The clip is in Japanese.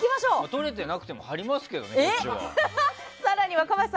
取れてなくても貼りますけどね